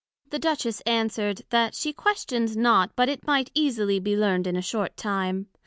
The Duchess answered, That she questioned not but it might easily be learned in a short time.